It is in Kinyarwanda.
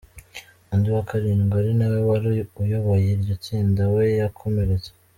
Undi wa karindwi ari nawe wari uyoboye iryo tsinda we yakomeretse.